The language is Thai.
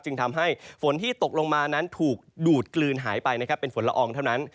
จึงทำให้ฝนที่ตกลงมานั้นถูกดูดกลืนหายไปนะครับเป็นฝนละอองเท่านั้น